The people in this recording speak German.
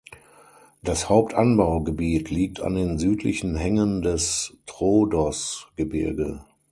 Das Hauptanbaugebiet liegt an den südlichen Hängen des Troodos-Gebirge.